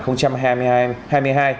hai mươi tháng bảy năm hai nghìn hai mươi hai